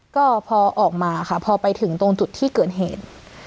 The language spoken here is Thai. ก็พอออกมาค่ะพอไปถึงตรงจุดที่เกิดเหตุ